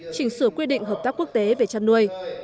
chỉnh sửa quy định hợp tác quốc tế về chăn nuôi